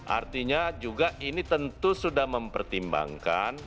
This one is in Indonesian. artinya juga ini tentu sudah mempertimbangkan